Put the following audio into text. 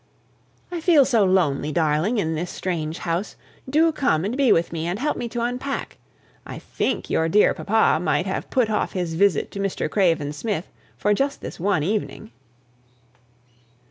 "I feel so lonely, darling, in this strange house; do come and be with me, and help me to unpack. I think your dear papa might have put off his visit to Mr. Craven Smith for just this one evening."